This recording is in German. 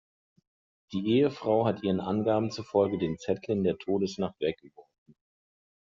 Die Ehefrau hat ihren Angaben zufolge den Zettel in der Todesnacht weggeworfen.